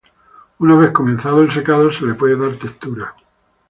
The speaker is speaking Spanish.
Una vez comenzado el secado se le puede dar textura.